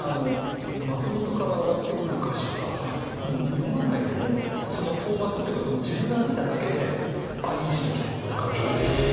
松本から上がってくる歌詞はもう読まないでもそのフォーマットっていうか字面見ただけであっいい詞がきたってわかるの。